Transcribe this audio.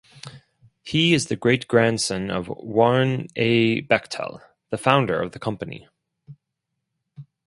He is the great-grandson of Warren A. Bechtel, the founder of the company.